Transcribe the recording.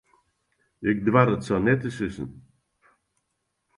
Ik doar it sa net te sizzen.